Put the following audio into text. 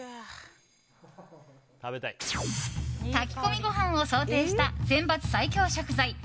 炊き込みご飯を想定した選抜最強食材。